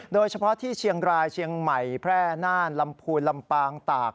โดยเฉพาะที่เชียงรายเชียงใหม่แพร่น่านลำพูนลำปางตาก